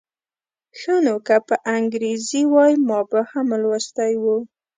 ښه نو که په انګریزي وای ما به هم لوستی و.